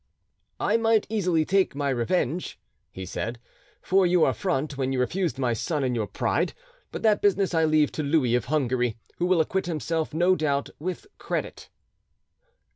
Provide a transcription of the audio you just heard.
"I might easily take my revenge," he said, "for your affront when you refuse my son in your pride; but that business I leave to Louis of Hungary, who will acquit himself, no doubt, with credit."